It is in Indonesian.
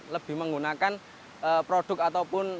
lebih menggunakan produk ataupun